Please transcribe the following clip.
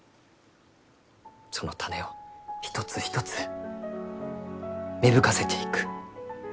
その種を一つ一つ芽吹かせていく。